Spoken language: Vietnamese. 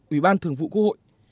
ủy ban thường vụ quốc hội